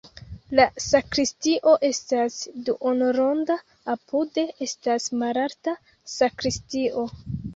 La sakristio estas duonronda, apude estas malalta sakristio.